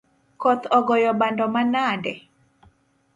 Koth ogoyo bando manade?